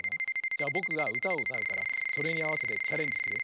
じゃぼくがうたをうたうからそれにあわせてチャレンジする。